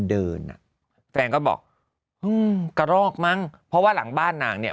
เดินอ่ะแฟนก็บอกกระรอกมั้งเพราะว่าหลังบ้านนางเนี่ย